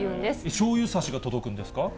しょうゆさしが届くんですか？